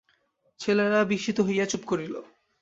ছেলেরা বিস্মিত হইয়া চুপ করিল।